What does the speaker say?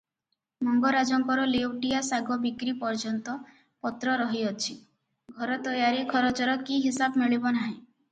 ମଙ୍ଗରାଜଙ୍କର ଲେଉଟିଆ ଶାଗ ବିକ୍ରି ପର୍ଯ୍ୟନ୍ତ ପତ୍ର ରହିଅଛି, ଘର ତୟାରି ଖରଚର କି ହିସାବ ମିଳିବ ନାହିଁ?